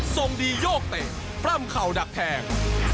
ส่งดีโยกเตะปล้ำเข่าดักแทง